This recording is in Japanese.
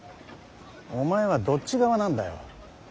お前はどっち側なんだよ。